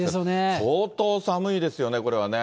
相当寒いですよね、これはね。